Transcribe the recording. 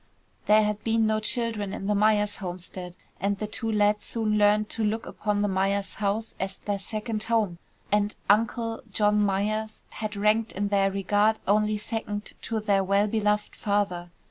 There had been no children in the Myers homestead, and the two lads soon learned to look upon the Myers' house as their second home, and "Uncle" John Myers had ranked, in their regard, only second to their well beloved father.